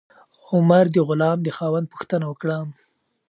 عمر د غلام د خاوند پوښتنه وکړه.